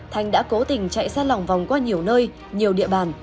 thanh đã cố tình chạy xa lòng vòng qua nhiều nơi nhiều địa bàn